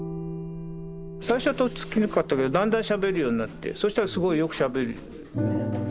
最初はとっつきにくかったけどだんだんしゃべるようになってそしたらすごいよくしゃべるように。